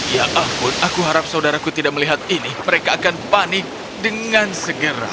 ya ampun aku harap saudaraku tidak melihat ini mereka akan panik dengan segera